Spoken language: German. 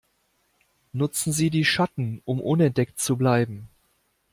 Nutzen Sie die Schatten, um unentdeckt zu bleiben!